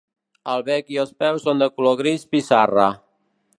El bec i els peus són de color gris pissarra.